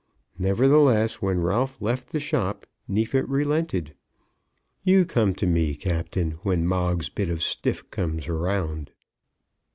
Nevertheless, when Ralph left the shop Neefit relented. "You come to me, Captain, when Moggs's bit of stiff comes round."